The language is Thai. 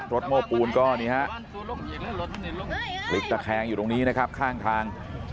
โม้ปูนก็นี่ฮะพลิกตะแคงอยู่ตรงนี้นะครับข้างทาง